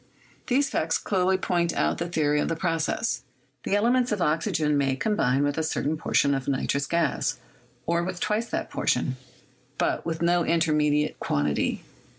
These facts clearly point out the theory of the process: the elements of oxygen may combine with a certain portion of nitrous gas, or with twice that portion, but with no intermediate quantity.